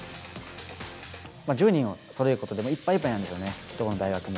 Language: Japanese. １０人をそろえることでいっぱいいっぱいなんですよね、どこの大学も。